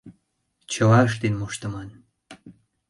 — Чыла ыштен моштыман.